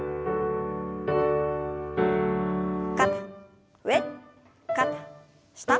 肩上肩下。